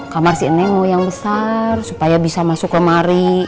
kamar si nemo yang besar supaya bisa masuk kemari